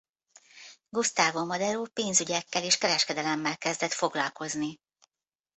Gustavo Madero pénzügyekkel és kereskedelemmel kezdett foglalkozni.